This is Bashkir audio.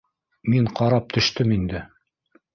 Мин ҡарап төштөм инде.